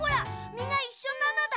みがいっしょなのだ。